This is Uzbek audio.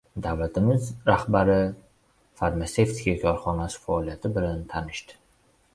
Davlatimiz rahbari farmatsevtika korxonasi faoliyati bilan tanishdi